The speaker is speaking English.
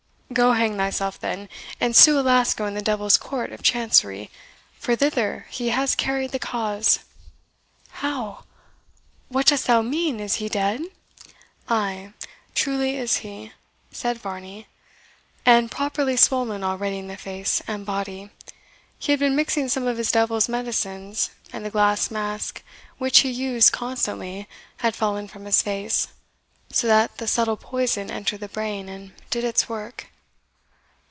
"Go hang thyself, then, and sue Alasco in the Devil's Court of Chancery, for thither he has carried the cause." "How! what dost thou mean is he dead?" "Ay, truly is he," said Varney; "and properly swollen already in the face and body. He had been mixing some of his devil's medicines, and the glass mask which he used constantly had fallen from his face, so that the subtle poison entered the brain, and did its work."